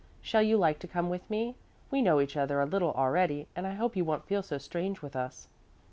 Shall you like to come with me? We know each other a little already and I hope you won't feel so strange with us."